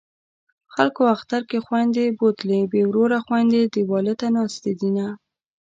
خلکو اختر کې خویندې بوتلې بې وروره خویندې دېواله ته ناستې دینه